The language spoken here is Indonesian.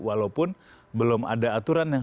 walaupun belum ada aturan yang